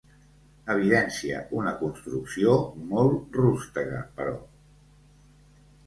Evidencia una construcció molt rústega, però.